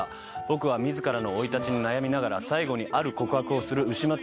僕は自らの生い立ちに悩みながら最後にある告白をする丑松役を演じています。